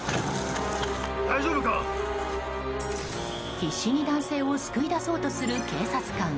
必死に男性を救い出そうとする警察官。